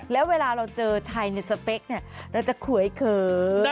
แล้วเวลาเราเจอชายในสเปคเนี่ยเราจะขวยเขิน